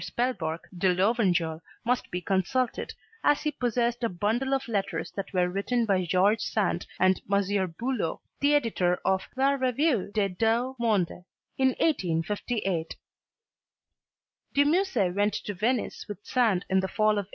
Spelboerch de Lovenjoul must be consulted, as he possessed a bundle of letters that were written by George Sand and M. Buloz, the editor of "La Revue des Deux Mondes," in 1858. De Musset went to Venice with Sand in the fall of 1833.